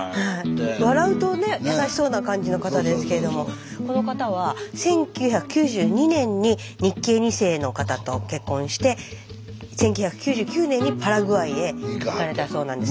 笑うとね優しそうな感じの方ですけれどもこの方は１９９２年に日系２世の方と結婚して１９９９年にパラグアイへ行かれたそうなんです。